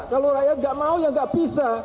kalau rakyat nggak mau ya nggak bisa